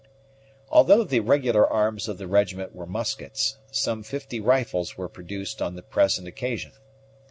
Although the regular arms of the regiment were muskets, some fifty rifles were produced on the present occasion.